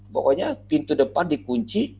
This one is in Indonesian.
pokoknya pintu depan dikunci